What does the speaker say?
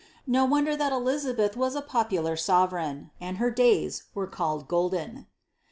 No wonder thai Elizabeth was a popular sovereign, and her days were called " golden."